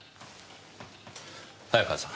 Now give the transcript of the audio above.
早川さん